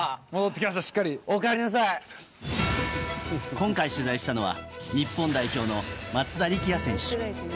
今回、取材したのは日本代表の松田力也選手。